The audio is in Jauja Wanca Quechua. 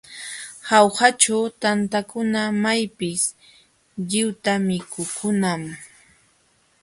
Jaujaćhu tantakuna maypis lliwta mikukunam.